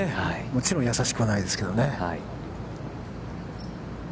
もちろん易しくはないですけどね。